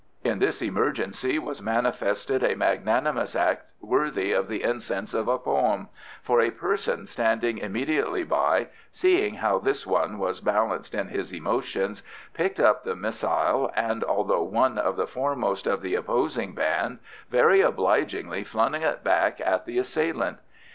In this emergency was manifested a magnanimous act worthy of the incense of a poem, for a person standing immediately by, seeing how this one was balanced in his emotions, picked up the missile, and although one of the foremost of the opposing band, very obligingly flung it back at the assailant.